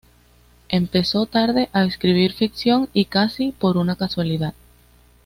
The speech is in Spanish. Empezó tarde a escribir ficción y "casi por una casualidad".